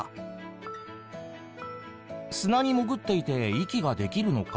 「砂に潜っていて息ができるのか？」